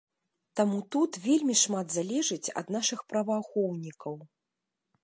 Таму тут вельмі шмат залежыць ад нашых праваахоўнікаў.